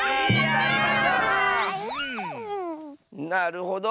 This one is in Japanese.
なるほど。